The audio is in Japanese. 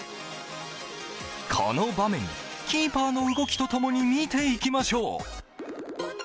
この場面、キーパーの動きと共に見ていきましょう。